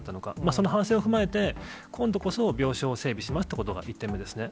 その反省を踏まえて、今度こそ病床を整備しますということが１点目ですね。